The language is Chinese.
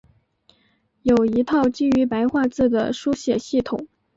有一套基于白话字的书写系统。